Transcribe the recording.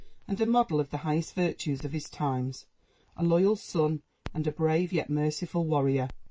and a model of the highest virtues of his times, a loyal son, and a brave, yet merciful, warrior.